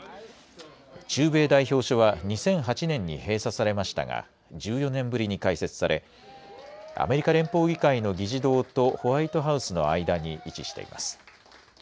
駐米代表処は２００８年に閉鎖されましたが１４年ぶりに開設されアメリカ連邦議会の議事堂とホワイトハウスの間に位置しています。